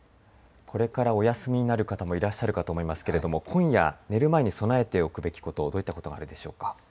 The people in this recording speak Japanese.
これからお休みになる方もいらっしゃるかと思いますが今夜、寝る前に備えていくべきことはどんなことがあるでしょうか。